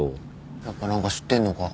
やっぱ何か知ってんのか？